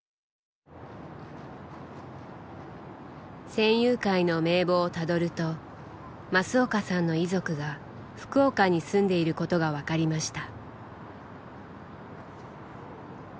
戦友会の名簿をたどると増岡さんの遺族が福岡に住んでいることが分かりました。